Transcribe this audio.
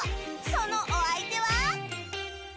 そのお相手は。